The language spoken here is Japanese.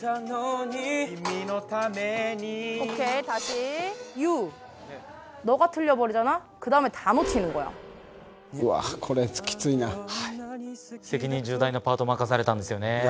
君のために責任重大なパート任されたんですよね。